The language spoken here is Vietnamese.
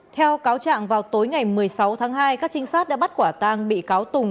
theo cáo trạng vào tối ngày một mươi sáu tháng hai các trinh sát đã bắt quả tang bị cáo tùng